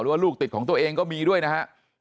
ว่าลูกติดของตัวเองก็มีด้วยนะฮะ